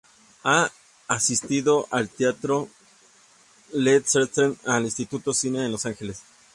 Ha asistido al Teatro Lee Strasberg y al Instituto de Cine en Los Ángeles.